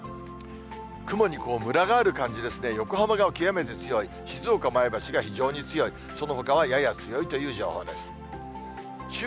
雲にむらがある感じですね、横浜が極めて強い、静岡、前橋が非常に強い、そのほかはやや強いという情報です。